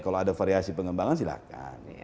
kalau ada variasi pengembangan silahkan